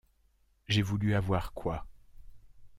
J’ai voulu avoir quoi?